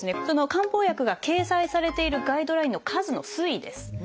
漢方薬が掲載されているガイドラインの数の推移です。